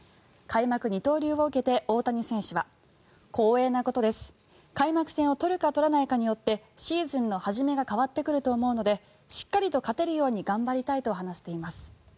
開幕二刀流を受けて大谷選手は光栄なことです開幕戦を取るか取らないかによってシーズンのはじめが変わってくると思うのでしっかりと勝てるように頑張りたいと話しています。